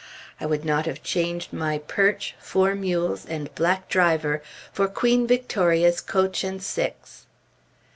I would not have changed my perch, four mules, and black driver, for Queen Victoria's coach and six.